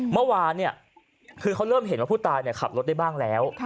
เมื่อวานคือเขาเริ่มเห็นว่าผู้ตายขับรถได้บ้างแล้ว